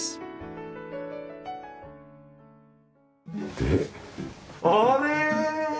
であれ？